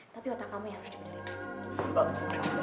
tapi otak kamu yang harus dipenerin